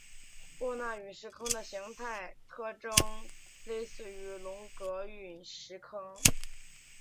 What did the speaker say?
沃纳陨石坑的形态特征类似于龙格陨石坑。